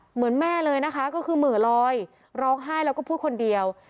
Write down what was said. เหมือนแม่เลยนะคะก็คือเหมือลอยร้องไห้แล้วก็พูดคนเดียว